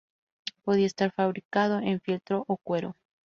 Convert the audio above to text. Podía estar fabricado en fieltro o cuero.